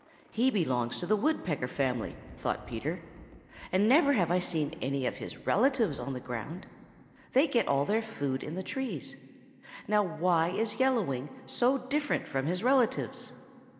"He belongs to the Woodpecker family," thought Peter, "and never have I seen any of his relatives on the ground. They get all their food in the trees. Now why is Yellow Wing so different from his relatives?"